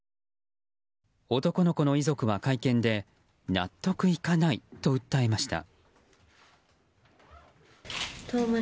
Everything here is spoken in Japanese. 男の子の遺族は会見で納得いかないと訴えました。